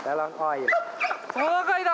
トナカイだ！